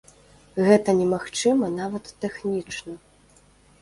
Гэта немагчыма нават тэхнічна.